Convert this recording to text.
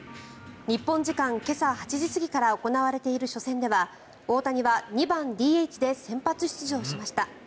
日本時間今朝８時過ぎから行われている初戦では大谷は２番ＤＨで先発出場しました。